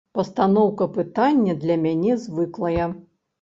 Пастаноўка пытання для мяне звыклая.